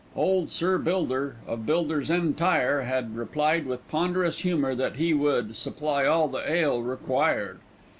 Old Sir John Bilder, of Bilder's Entire, had replied with ponderous humour that he "would supply all the ale required."